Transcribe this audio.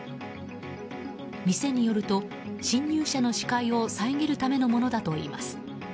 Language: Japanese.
店によると、侵入者の視界を遮るためのものだといいます。